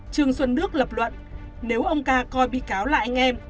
trương xuân đức lập luận nếu ông ca coi bị cáo là anh em